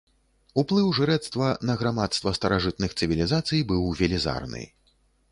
Уплыў жрэцтва на грамадства старажытных цывілізацый быў велізарны.